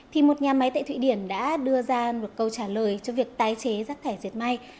thì một nhà máy tại thụy điển đã đưa ra một câu trả lời cho việc tái chế rác thải diệt may